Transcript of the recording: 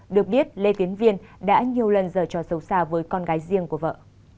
được biết lê tiến viên đã nhiều lần dở trò xấu xa với con gái riêng của vợ